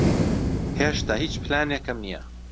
ھێشتا ھیچ پلانێکم نییە.